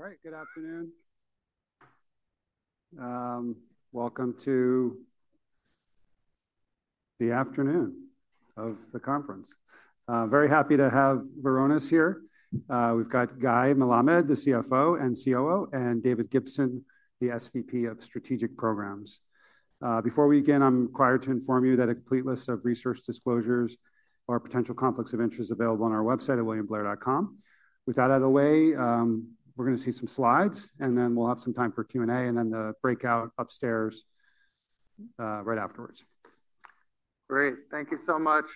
All right, good afternoon. Welcome to the afternoon of the conference. Very happy to have Varonis here. We've got Guy Melamed, the CFO and COO, and David Gibson, the SVP of Strategic Programs. Before we begin, I'm required to inform you that a complete list of resource disclosures or potential conflicts of interest is available on our website at williambler.com. With that out of the way, we're going to see some slides, and then we'll have some time for Q&A, and then the breakout upstairs right afterwards. Great, thank you so much.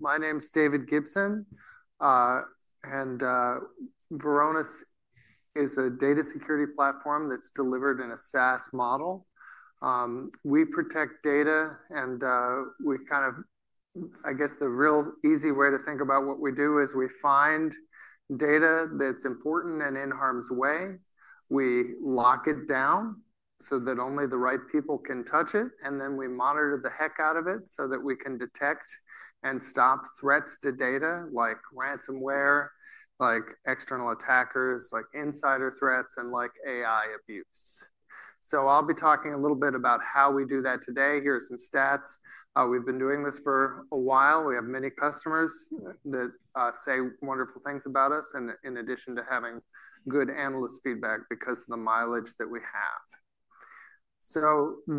My name's David Gibson, and Varonis is a data security platform that's delivered in a SaaS model. We protect data, and we kind of, I guess the real easy way to think about what we do is we find data that's important and in harm's way. We lock it down so that only the right people can touch it, and then we monitor the heck out of it so that we can detect and stop threats to data like ransomware, like external attackers, like insider threats, and like AI abuse. I'll be talking a little bit about how we do that today. Here are some stats. We've been doing this for a while. We have many customers that say wonderful things about us, in addition to having good analyst feedback because of the mileage that we have.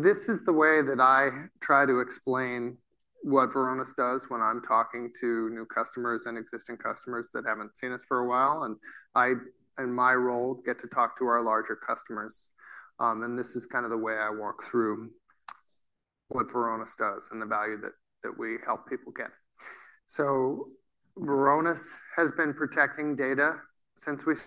This is the way that I try to explain what Varonis does when I'm talking to new customers and existing customers that haven't seen us for a while, and I, in my role, get to talk to our larger customers. This is kind of the way I walk through what Varonis does and the value that we help people get. Varonis has been protecting data since we saw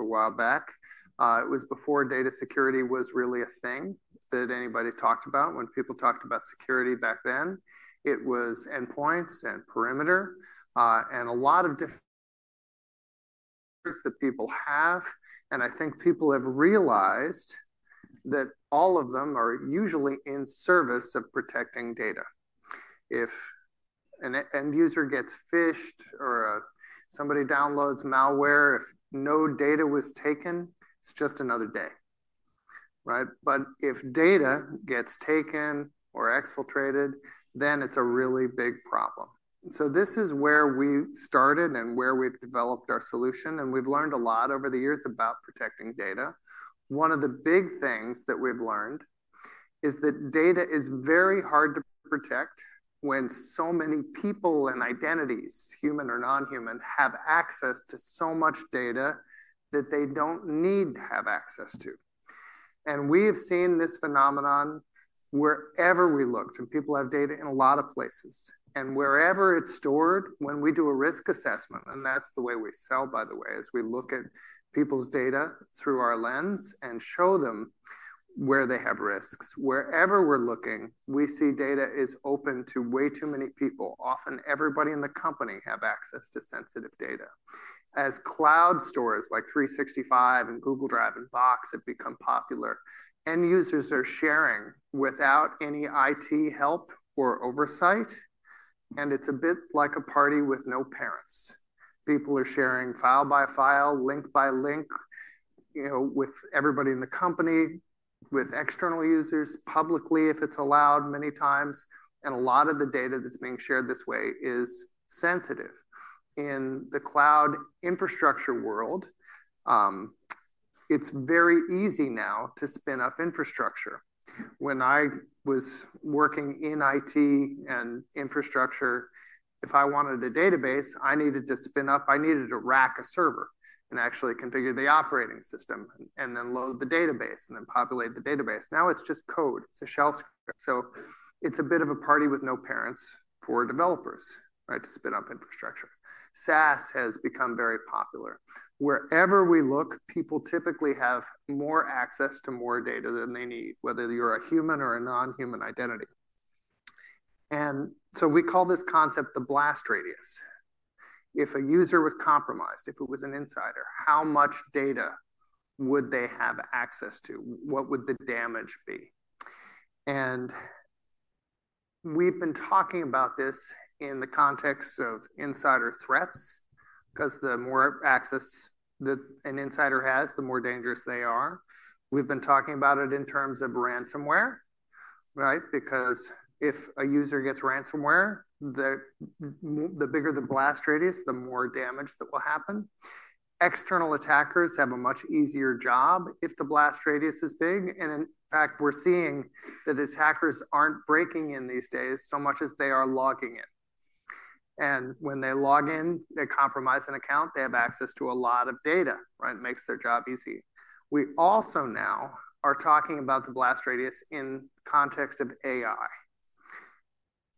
a while back. It was before data security was really a thing that anybody talked about. When people talked about security back then, it was endpoints and perimeter and a lot of different things that people have. I think people have realized that all of them are usually in service of protecting data. If an end user gets phished or somebody downloads malware, if no data was taken, it's just another day. Right? If data gets taken or exfiltrated, then it's a really big problem. This is where we started and where we've developed our solution, and we've learned a lot over the years about protecting data. One of the big things that we've learned is that data is very hard to protect when so many people and identities, human or non-human, have access to so much data that they don't need to have access to. We have seen this phenomenon wherever we looked, and people have data in a lot of places. Wherever it's stored, when we do a risk assessment, and that's the way we sell, by the way, is we look at people's data through our lens and show them where they have risks. Wherever we're looking, we see data is open to way too many people. Often, everybody in the company has access to sensitive data. As cloud stores like 365 and Google Drive and Box have become popular, end users are sharing without any IT help or oversight, and it's a bit like a party with no parents. People are sharing file by file, link by link, you know, with everybody in the company, with external users, publicly if it's allowed many times. A lot of the data that's being shared this way is sensitive. In the cloud infrastructure world, it's very easy now to spin up infrastructure. When I was working in IT and infrastructure, if I wanted a database, I needed to spin up, I needed to rack a server and actually configure the operating system and then load the database and then populate the database. Now it's just code. It's a shell script. It's a bit of a party with no parents for developers, right, to spin up infrastructure. SaaS has become very popular. Wherever we look, people typically have more access to more data than they need, whether you're a human or a non-human identity. We call this concept the blast radius. If a user was compromised, if it was an insider, how much data would they have access to? What would the damage be? We've been talking about this in the context of insider threats because the more access an insider has, the more dangerous they are. We've been talking about it in terms of ransomware, right? If a user gets ransomware, the bigger the blast radius, the more damage that will happen. External attackers have a much easier job if the blast radius is big. In fact, we're seeing that attackers aren't breaking in these days so much as they are logging in. When they log in, they compromise an account, they have access to a lot of data, right? It makes their job easy. We also now are talking about the blast radius in the context of AI.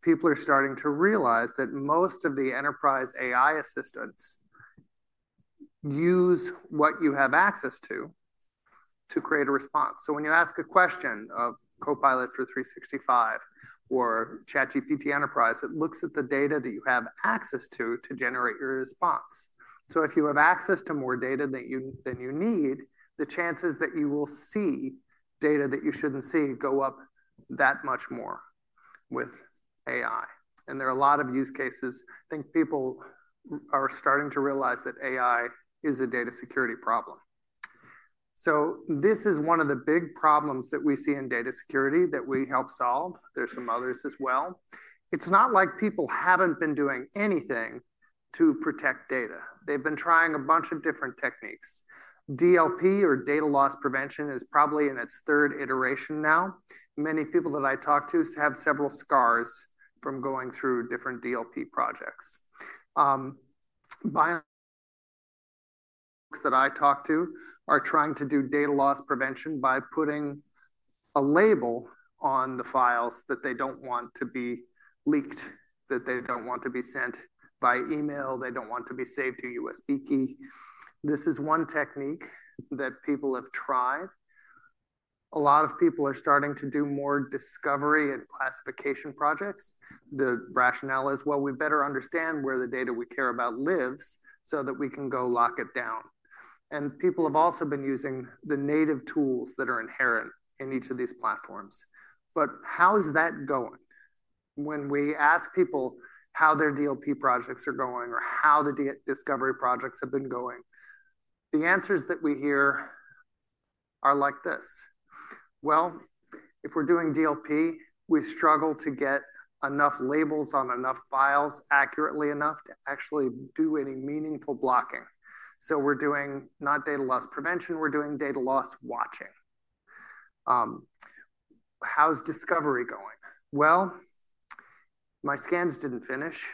People are starting to realize that most of the enterprise AI assistants use what you have access to to create a response. When you ask a question of Copilot for 365 or ChatGPT Enterprise, it looks at the data that you have access to to generate your response. If you have access to more data than you need, the chances that you will see data that you shouldn't see go up that much more with AI. There are a lot of use cases. I think people are starting to realize that AI is a data security problem. This is one of the big problems that we see in data security that we help solve. There are some others as well. It is not like people have not been doing anything to protect data. They have been trying a bunch of different techniques. DLP, or Data Loss Prevention, is probably in its third iteration now. Many people that I talk to have several scars from going through different DLP projects. A lot of people that I talk to are trying to do data loss prevention by putting a label on the files that they do not want to be leaked, that they do not want to be sent by email, they do not want to be saved to USB key. This is one technique that people have tried. A lot of people are starting to do more discovery and classification projects. The rationale is, well, we better understand where the data we care about lives so that we can go lock it down. And people have also been using the native tools that are inherent in each of these platforms. But how is that going? When we ask people how their DLP projects are going or how the discovery projects have been going, the answers that we hear are like this. Well, if we're doing DLP, we struggle to get enough labels on enough files accurately enough to actually do any meaningful blocking. So we're doing not data loss prevention, we're doing data loss watching. How's discovery going? Well, my scans didn't finish.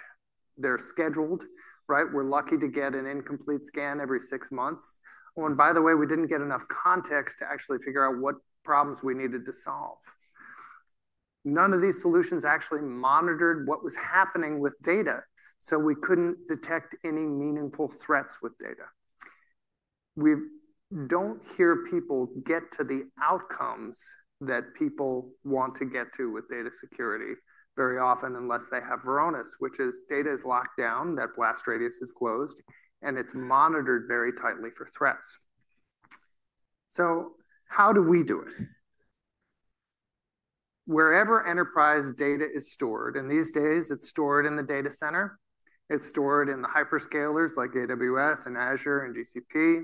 They're scheduled, right? We're lucky to get an incomplete scan every six months. Oh, and by the way, we didn't get enough context to actually figure out what problems we needed to solve. None of these solutions actually monitored what was happening with data, so we could not detect any meaningful threats with data. We do not hear people get to the outcomes that people want to get to with data security very often, unless they have Varonis, which is data is locked down, that blast radius is closed, and it is monitored very tightly for threats. How do we do it? Wherever enterprise data is stored, and these days it is stored in the data center, it is stored in the hyperscalers like AWS and Azure and GCP,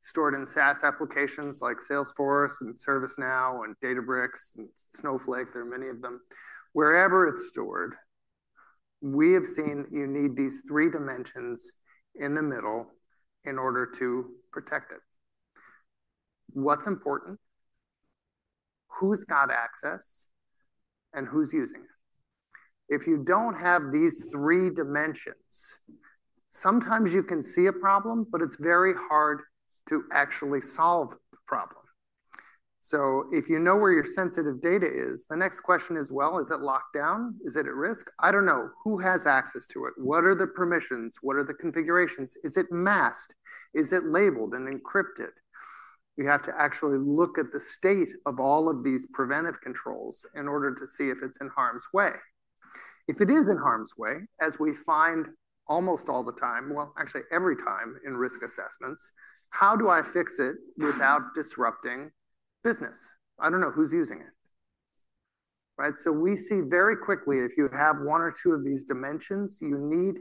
stored in SaaS applications like Salesforce and ServiceNow and Databricks and Snowflake, there are many of them. Wherever it is stored, we have seen you need these three dimensions in the middle in order to protect it. What is important? Who has got access and who is using it? If you don't have these three dimensions, sometimes you can see a problem, but it's very hard to actually solve the problem. If you know where your sensitive data is, the next question is, is it locked down? Is it at risk? I don't know. Who has access to it? What are the permissions? What are the configurations? Is it masked? Is it labeled and encrypted? You have to actually look at the state of all of these preventive controls in order to see if it's in harm's way. If it is in harm's way, as we find almost all the time, actually every time in risk assessments, how do I fix it without disrupting business? I don't know who's using it. Right? We see very quickly if you have one or two of these dimensions, you need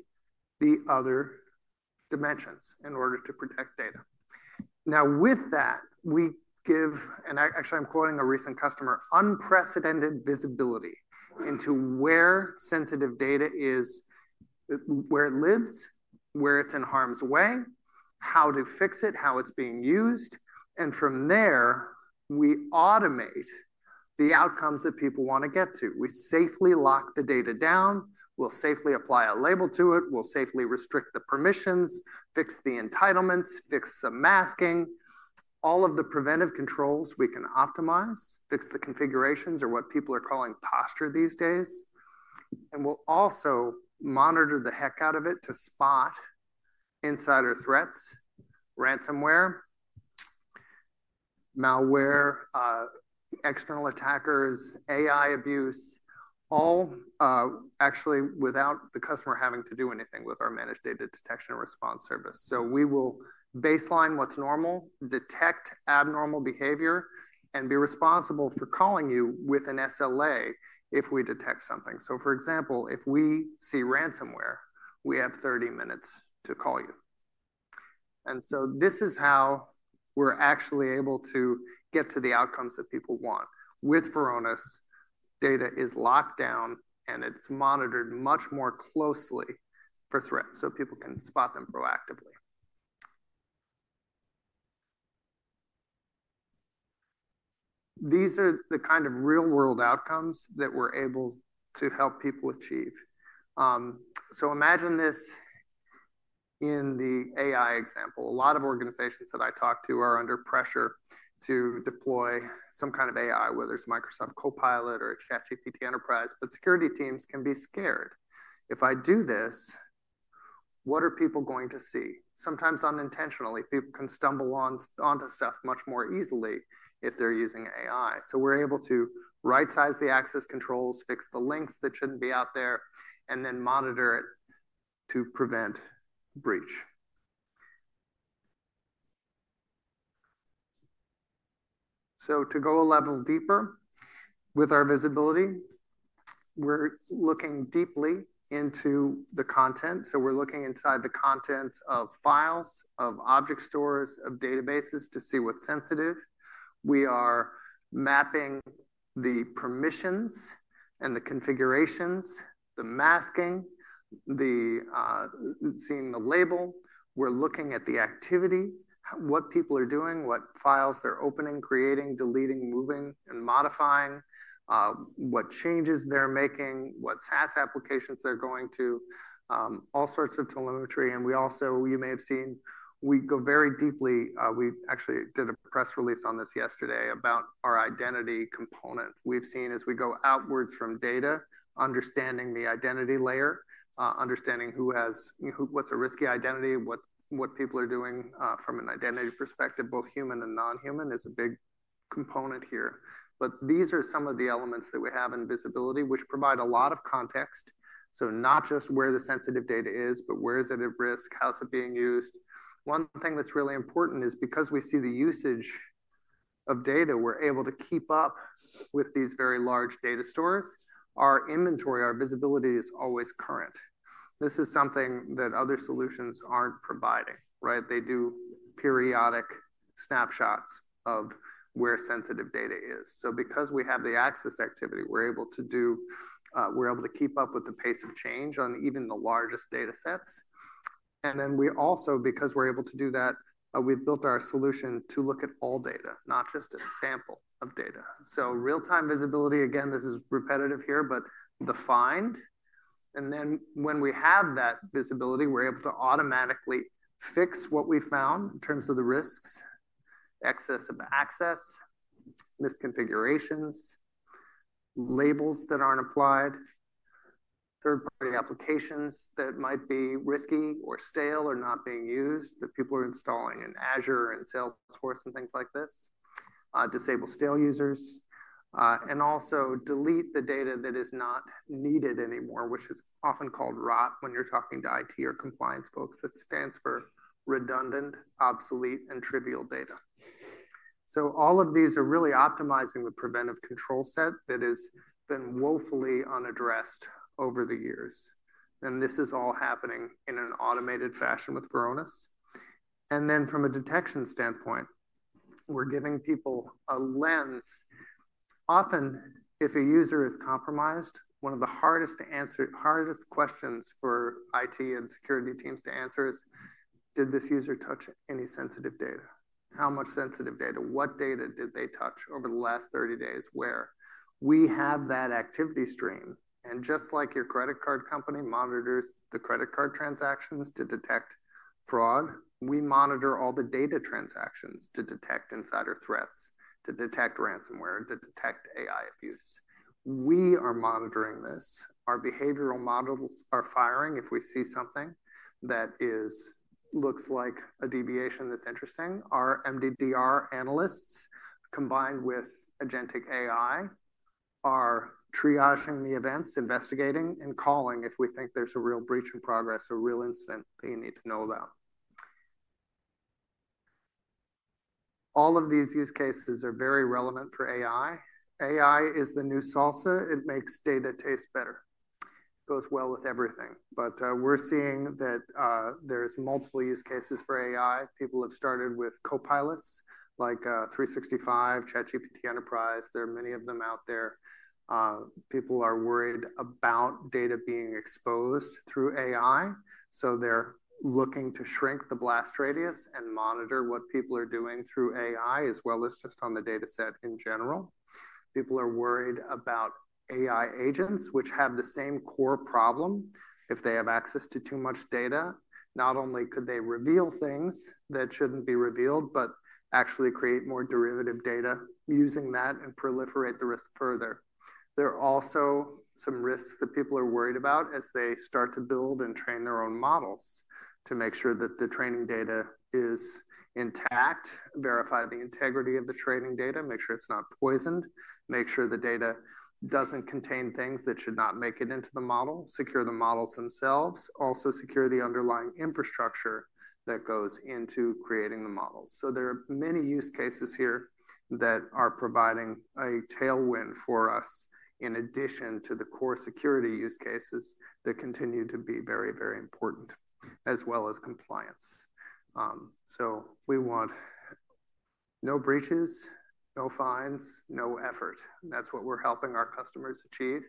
the other dimensions in order to protect data. Now, with that, we give, and actually I'm quoting a recent customer, unprecedented visibility into where sensitive data is, where it lives, where it's in harm's way, how to fix it, how it's being used. From there, we automate the outcomes that people want to get to. We safely lock the data down. We'll safely apply a label to it. We'll safely restrict the permissions, fix the entitlements, fix the masking. All of the preventive controls we can optimize, fix the configurations or what people are calling posture these days. We'll also monitor the heck out of it to spot insider threats, ransomware, malware, external attackers, AI abuse, all actually without the customer having to do anything with our managed data detection and response service. We will baseline what's normal, detect abnormal behavior, and be responsible for calling you with an SLA if we detect something. For example, if we see ransomware, we have 30 minutes to call you. This is how we're actually able to get to the outcomes that people want. With Varonis, data is locked down and it's monitored much more closely for threats so people can spot them proactively. These are the kind of real-world outcomes that we're able to help people achieve. Imagine this in the AI example. A lot of organizations that I talk to are under pressure to deploy some kind of AI, whether it's Microsoft Copilot or ChatGPT Enterprise, but security teams can be scared. If I do this, what are people going to see? Sometimes unintentionally, people can stumble onto stuff much more easily if they're using AI. We're able to right-size the access controls, fix the links that shouldn't be out there, and then monitor it to prevent breach. To go a level deeper with our visibility, we're looking deeply into the content. We're looking inside the contents of files, of object stores, of databases to see what's sensitive. We are mapping the permissions and the configurations, the masking, seeing the label. We're looking at the activity, what people are doing, what files they're opening, creating, deleting, moving, and modifying, what changes they're making, what SaaS applications they're going to, all sorts of telemetry. You may have seen, we go very deeply. We actually did a press release on this yesterday about our identity component. We've seen as we go outwards from data, understanding the identity layer, understanding who has, what's a risky identity, what people are doing from an identity perspective, both human and non-human is a big component here. These are some of the elements that we have in visibility, which provide a lot of context. Not just where the sensitive data is, but where is it at risk, how's it being used. One thing that's really important is because we see the usage of data, we're able to keep up with these very large data stores. Our inventory, our visibility is always current. This is something that other solutions aren't providing, right? They do periodic snapshots of where sensitive data is. Because we have the access activity, we're able to keep up with the pace of change on even the largest data sets. We also, because we're able to do that, we've built our solution to look at all data, not just a sample of data. Real-time visibility, again, this is repetitive here, but the find. When we have that visibility, we're able to automatically fix what we found in terms of the risks, excess of access, misconfigurations, labels that aren't applied, third-party applications that might be risky or stale or not being used that people are installing in Azure and Salesforce and things like this, disable stale users, and also delete the data that is not needed anymore, which is often called ROT when you're talking to IT or compliance folks. That stands for redundant, obsolete, and trivial data. All of these are really optimizing the preventive control set that has been woefully unaddressed over the years. This is all happening in an automated fashion with Varonis. From a detection standpoint, we're giving people a lens. Often, if a user is compromised, one of the hardest questions for IT and security teams to answer is, did this user touch any sensitive data? How much sensitive data? What data did they touch over the last 30 days? Where? We have that activity stream. Just like your credit card company monitors the credit card transactions to detect fraud, we monitor all the data transactions to detect insider threats, to detect ransomware, to detect AI abuse. We are monitoring this. Our behavioral models are firing if we see something that looks like a deviation that's interesting. Our MDDR analysts combined with agentic AI are triaging the events, investigating, and calling if we think there's a real breach in progress, a real incident that you need to know about. All of these use cases are very relevant for AI. AI is the new salsa. It makes data taste better. It goes well with everything. We're seeing that there are multiple use cases for AI. People have started with copilots like 365, ChatGPT Enterprise. There are many of them out there. People are worried about data being exposed through AI. They're looking to shrink the blast radius and monitor what people are doing through AI, as well as just on the data set in general. People are worried about AI agents, which have the same core problem. If they have access to too much data, not only could they reveal things that shouldn't be revealed, but actually create more derivative data using that and proliferate the risk further. There are also some risks that people are worried about as they start to build and train their own models to make sure that the training data is intact, verify the integrity of the training data, make sure it's not poisoned, make sure the data doesn't contain things that should not make it into the model, secure the models themselves, also secure the underlying infrastructure that goes into creating the models. There are many use cases here that are providing a tailwind for us in addition to the core security use cases that continue to be very, very important, as well as compliance. We want no breaches, no fines, no effort. That's what we're helping our customers achieve.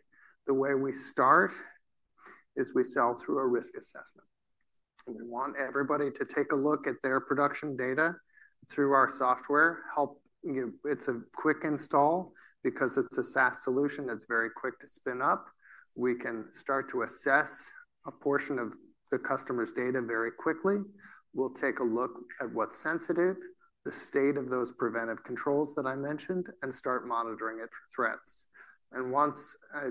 The way we start is we sell through a risk assessment. We want everybody to take a look at their production data through our software. It's a quick install because it's a SaaS solution that's very quick to spin up. We can start to assess a portion of the customer's data very quickly. We'll take a look at what's sensitive, the state of those preventive controls that I mentioned, and start monitoring it for threats. Once a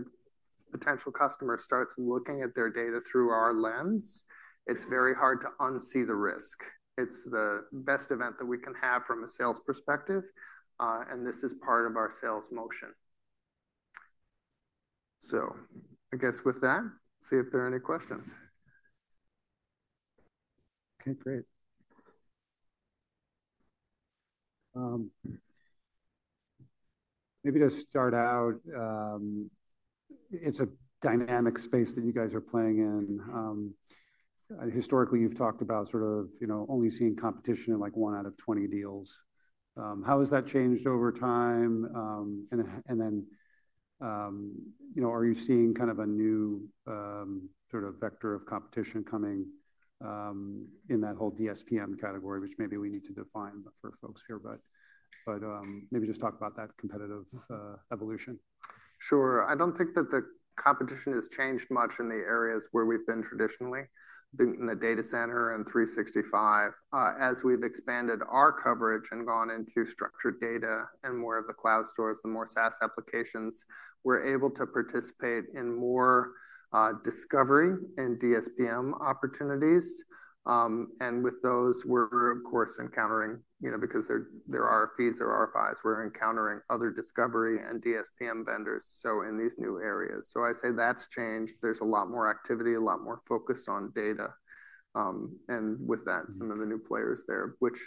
potential customer starts looking at their data through our lens, it's very hard to unsee the risk. It's the best event that we can have from a sales perspective. This is part of our sales motion. I guess with that, see if there are any questions. Okay, great. Maybe to start out, it's a dynamic space that you guys are playing in. Historically, you've talked about sort of only seeing competition in like one out of 20 deals. How has that changed over time? Are you seeing kind of a new sort of vector of competition coming in that whole DSPM category, which maybe we need to define for folks here, but maybe just talk about that competitive evolution. Sure. I don't think that the competition has changed much in the areas where we've been traditionally, in the data center and 365. As we've expanded our coverage and gone into structured data and more of the cloud stores, the more SaaS applications, we're able to participate in more discovery and DSPM opportunities. With those, we're, of course, encountering, because there are fees, there are RFIs, we're encountering other discovery and DSPM vendors in these new areas. I say that's changed. There's a lot more activity, a lot more focus on data. With that, some of the new players there, which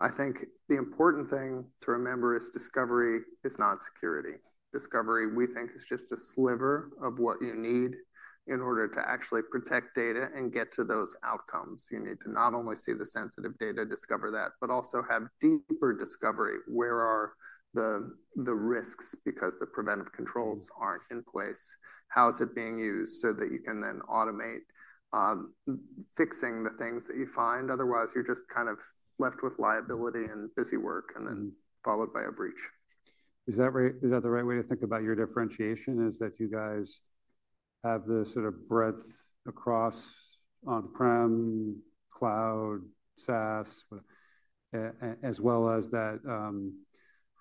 I think the important thing to remember is discovery is not security. Discovery, we think, is just a sliver of what you need in order to actually protect data and get to those outcomes. You need to not only see the sensitive data, discover that, but also have deeper discovery. Where are the risks because the preventive controls are not in place? How is it being used so that you can then automate fixing the things that you find? Otherwise, you are just kind of left with liability and busy work and then followed by a breach. Is that the right way to think about your differentiation, is that you guys have the sort of breadth across on-prem, cloud, SaaS, as well as that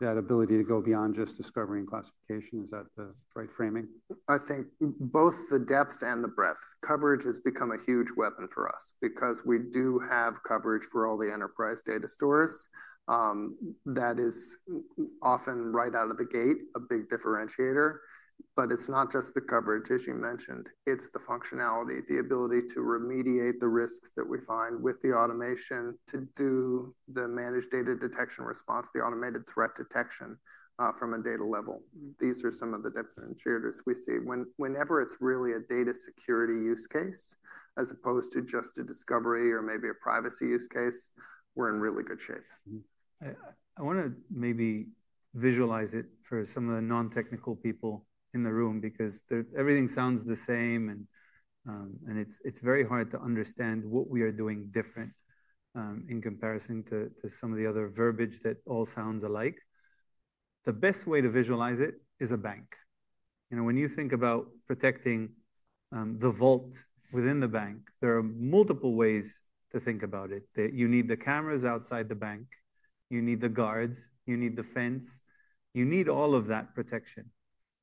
ability to go beyond just discovery and classification? Is that the right framing? I think both the depth and the breadth. Coverage has become a huge weapon for us because we do have coverage for all the enterprise data stores. That is often right out of the gate, a big differentiator. It is not just the coverage, as you mentioned. It is the functionality, the ability to remediate the risks that we find with the automation to do the managed data detection response, the automated threat detection from a data level. These are some of the differentiators we see. Whenever it is really a data security use case as opposed to just a discovery or maybe a privacy use case, we are in really good shape. I want to maybe visualize it for some of the non-technical people in the room because everything sounds the same, and it's very hard to understand what we are doing different in comparison to some of the other verbiage that all sounds alike. The best way to visualize it is a bank. When you think about protecting the vault within the bank, there are multiple ways to think about it. You need the cameras outside the bank. You need the guards. You need the fence. You need all of that protection.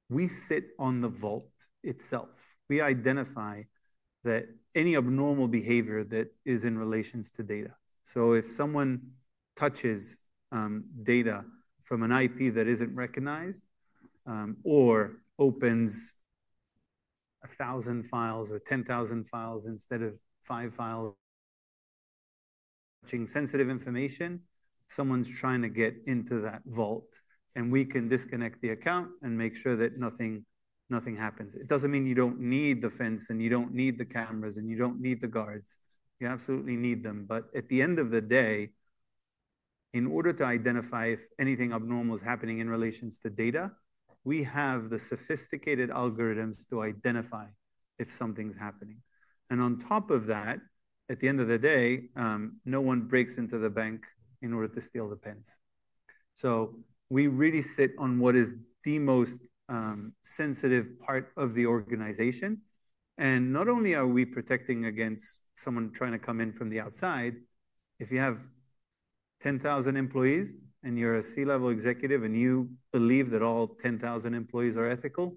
We sit on the vault itself. We identify any abnormal behavior that is in relations to data. If someone touches data from an IP that isn't recognized or opens 1,000 files or 10,000 files instead of five files, touching sensitive information, someone's trying to get into that vault, and we can disconnect the account and make sure that nothing happens. It doesn't mean you don't need the fence and you don't need the cameras and you don't need the guards. You absolutely need them. At the end of the day, in order to identify if anything abnormal is happening in relations to data, we have the sophisticated algorithms to identify if something's happening. On top of that, at the end of the day, no one breaks into the bank in order to steal the pens. We really sit on what is the most sensitive part of the organization. Not only are we protecting against someone trying to come in from the outside, if you have 10,000 employees and you're a C-level executive and you believe that all 10,000 employees are ethical,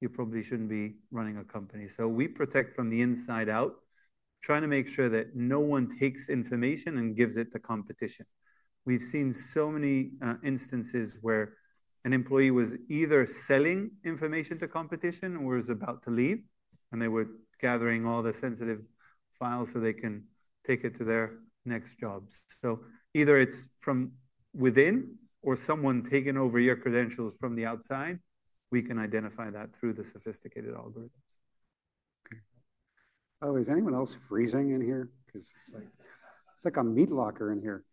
you probably shouldn't be running a company. We protect from the inside out, trying to make sure that no one takes information and gives it to competition. We've seen so many instances where an employee was either selling information to competition or was about to leave, and they were gathering all the sensitive files so they can take it to their next jobs. Either it's from within or someone taking over your credentials from the outside, we can identify that through the sophisticated algorithms. Okay. By the way, is anyone else freezing in here? It's like a meat locker in here.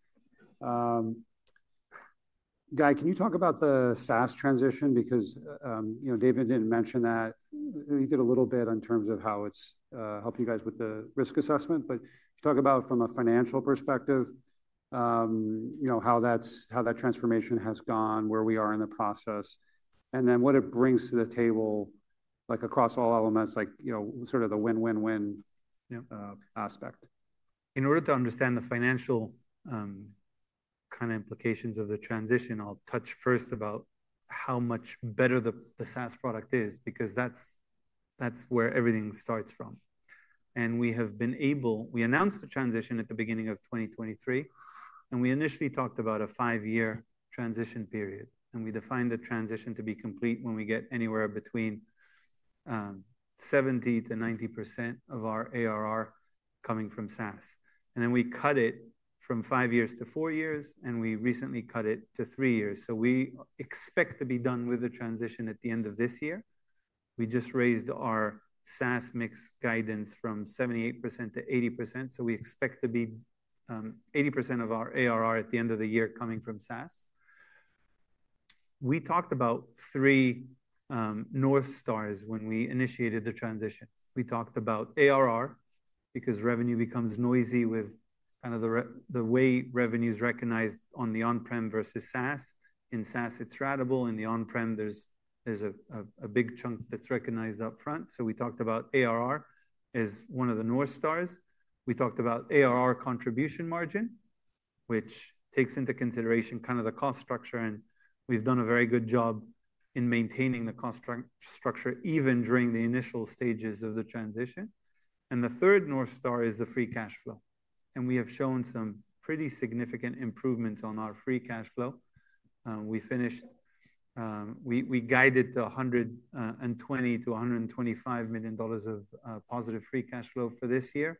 Guy, can you talk about the SaaS transition? Because David didn't mention that. He did a little bit in terms of how it's helped you guys with the risk assessment. Talk about from a financial perspective, how that transformation has gone, where we are in the process, and then what it brings to the table across all elements, sort of the win-win-win aspect. In order to understand the financial kind of implications of the transition, I'll touch first about how much better the SaaS product is because that's where everything starts from. We have been able, we announced the transition at the beginning of 2023, and we initially talked about a five-year transition period. We defined the transition to be complete when we get anywhere between 70%-90% of our ARR coming from SaaS. We cut it from five years to four years, and we recently cut it to three years. We expect to be done with the transition at the end of this year. We just raised our SaaS mix guidance from 78% to 80%. We expect to be 80% of our ARR at the end of the year coming from SaaS. We talked about three North Stars when we initiated the transition. We talked about ARR because revenue becomes noisy with kind of the way revenue is recognized on the on-prem versus SaaS. In SaaS, it is ratable. In the on-prem, there is a big chunk that is recognized upfront. We talked about ARR as one of the North Stars. We talked about ARR contribution margin, which takes into consideration kind of the cost structure. We have done a very good job in maintaining the cost structure even during the initial stages of the transition. The third North Star is the free cash flow. We have shown some pretty significant improvements on our free cash flow. We guided to $120-$125 million of positive free cash flow for this year,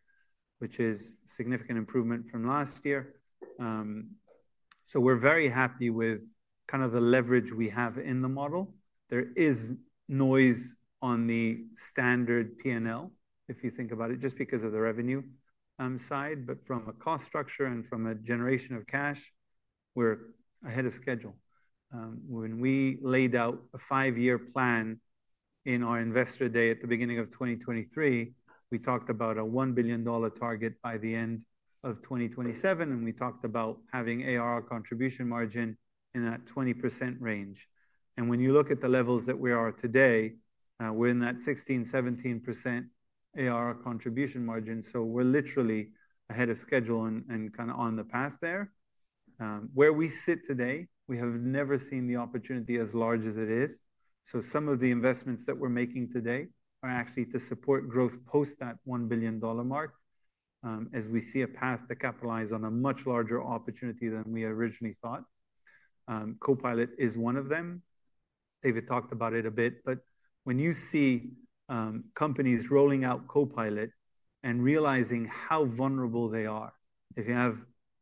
which is a significant improvement from last year. We are very happy with kind of the leverage we have in the model. There is noise on the standard P&L, if you think about it, just because of the revenue side. From a cost structure and from a generation of cash, we are ahead of schedule. When we laid out a five-year plan in our investor day at the beginning of 2023, we talked about a $1 billion target by the end of 2027. We talked about having ARR contribution margin in that 20% range. When you look at the levels that we are today, we are in that 16%-17% ARR contribution margin. We're literally ahead of schedule and kind of on the path there. Where we sit today, we have never seen the opportunity as large as it is. Some of the investments that we're making today are actually to support growth post that $1 billion mark, as we see a path to capitalize on a much larger opportunity than we originally thought. Copilot is one of them. David talked about it a bit. When you see companies rolling out Copilot and realizing how vulnerable they are, if you have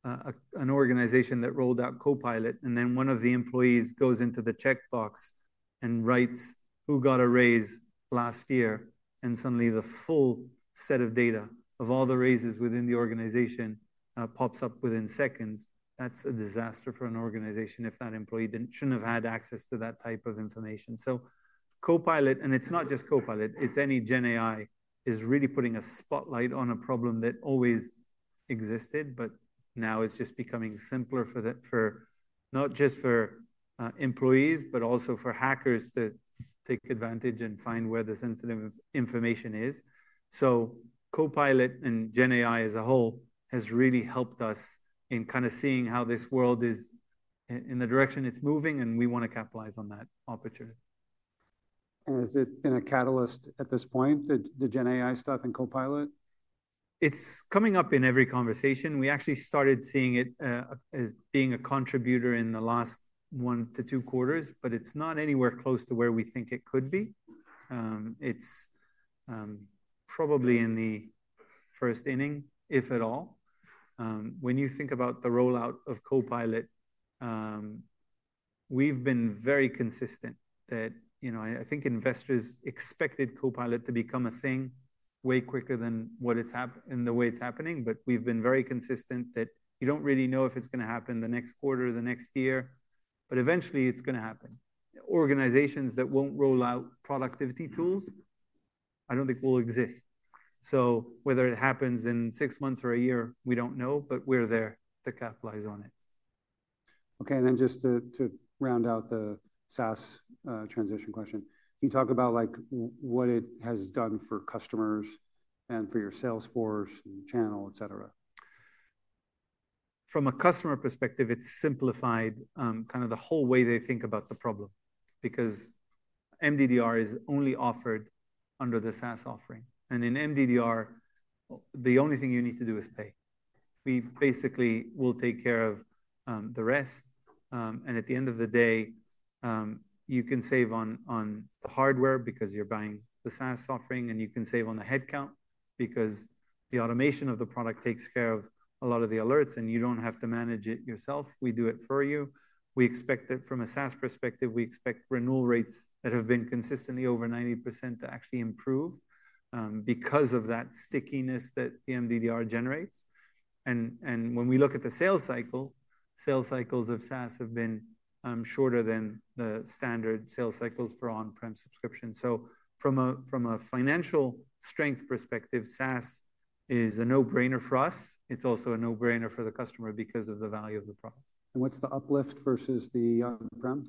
an organization that rolled out Copilot and then one of the employees goes into the checkbox and writes who got a raise last year, and suddenly the full set of data of all the raises within the organization pops up within seconds, that's a disaster for an organization if that employee shouldn't have had access to that type of information. Copilot, and it's not just Copilot, it's any GenAI, is really putting a spotlight on a problem that always existed, but now it's just becoming simpler not just for employees, but also for hackers to take advantage and find where the sensitive information is. Copilot and GenAI as a whole has really helped us in kind of seeing how this world is in the direction it's moving, and we want to capitalize on that opportunity. Is it a catalyst at this point, the GenAI stuff and Copilot? It's coming up in every conversation. We actually started seeing it as being a contributor in the last one to two quarters, but it's not anywhere close to where we think it could be. It's probably in the first inning, if at all. When you think about the rollout of Copilot, we've been very consistent that I think investors expected Copilot to become a thing way quicker than the way it's happening. We've been very consistent that you don't really know if it's going to happen the next quarter, the next year, but eventually it's going to happen. Organizations that won't roll out productivity tools, I don't think will exist. Whether it happens in six months or a year, we don't know, but we're there to capitalize on it. Okay. And then just to round out the SaaS transition question, can you talk about what it has done for customers and for your Salesforce channel, etc.? From a customer perspective, it's simplified kind of the whole way they think about the problem because MDDR is only offered under the SaaS offering. And in MDDR, the only thing you need to do is pay. We basically will take care of the rest. At the end of the day, you can save on the hardware because you're buying the SaaS offering, and you can save on the headcount because the automation of the product takes care of a lot of the alerts, and you don't have to manage it yourself. We do it for you. From a SaaS perspective, we expect renewal rates that have been consistently over 90% to actually improve because of that stickiness that the MDDR generates. When we look at the sales cycle, sales cycles of SaaS have been shorter than the standard sales cycles for on-prem subscriptions. From a financial strength perspective, SaaS is a no-brainer for us. It's also a no-brainer for the customer because of the value of the product. What's the uplift versus the on-prem?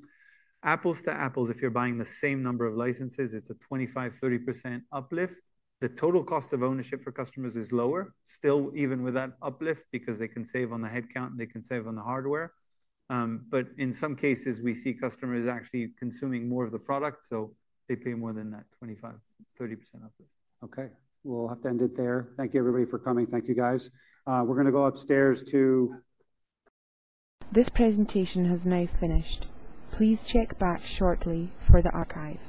Apples to apples. If you're buying the same number of licenses, it's a 25%-30% uplift. The total cost of ownership for customers is lower, still even with that uplift because they can save on the headcount, they can save on the hardware. In some cases, we see customers actually consuming more of the product, so they pay more than that 25%-30% uplift. Okay. We'll have to end it there. Thank you, everybody, for coming. Thank you, guys. We're going to go upstairs to. This presentation has now finished. Please check back shortly for the archive.